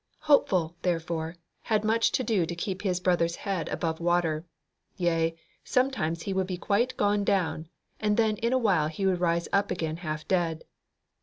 Hopeful, therefore, had much to do to keep his brother's head above water; yea, sometimes he would be quite gone down, and then in a while he would rise up again half dead.